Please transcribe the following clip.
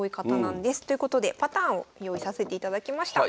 ということでパターンを用意させていただきました。